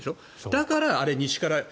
だからあれは西から。